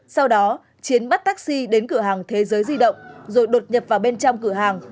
sau đó chiến bắt taxi đến cửa hàng thế giới di động rồi đột nhập vào bên trong cửa hàng